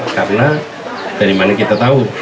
karena dari mana kita tahu